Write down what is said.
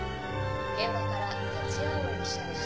現場から立葵記者でした。